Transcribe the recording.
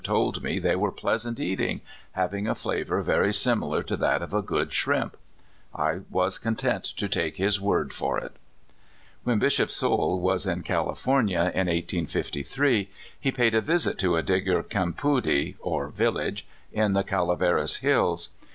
139 told me they were pleasant eating, having a flavor very similar to that of a good shrimp. (1 was con tent to take his word for it. ) When Bishop Soule was in Cahfornia, in 1853, he paid a visit to a Digger campoody (or village) in the Calaveras hills.